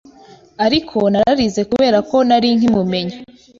Ariko nararize kubera ko nari nkimumenya